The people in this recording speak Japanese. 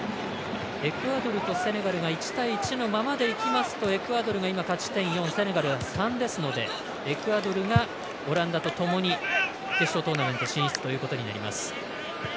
エクアドルとセネガルが１対１のままでいきますとエクアドルが勝ち点４セネガルが３ですのでエクアドルがオランダとともに決勝トーナメント進出ということになります。